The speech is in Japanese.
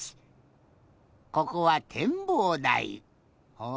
ここはてんぼうだい。